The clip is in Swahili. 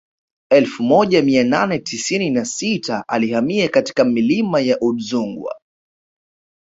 Elfu moja mia nane tisini na sita alihamia katika milima ya Udzungwa